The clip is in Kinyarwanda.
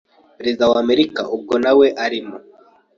Perezida wa Amerika ubwo nawe arimo